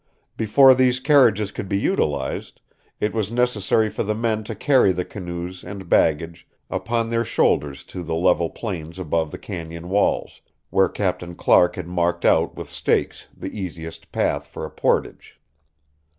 Before these carriages could be utilized, it was necessary for the men to carry the canoes and baggage upon their shoulders to the level plains above the cañon walls, where Captain Clark had marked out with stakes the easiest path for a portage.